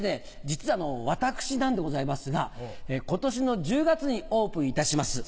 実は私なんでございますが今年の１０月にオープンいたします